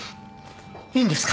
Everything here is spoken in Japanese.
いいんですか？